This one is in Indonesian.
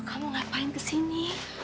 kamu ngapain kesini